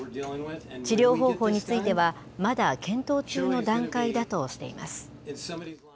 治療方法については、まだ検討中の段階だとしています。